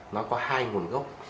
nó có hai nguồn gốc